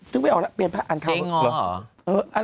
ซึ่งไม่ออกแล้วเปลี่ยนภาคอ่านข้าว